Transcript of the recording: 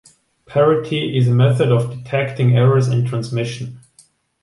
Parity is a method of detecting errors in transmission.